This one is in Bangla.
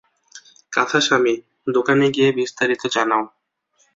কাঁথাস্বামী, দোকানে গিয়ে বিস্তারিত জানাও।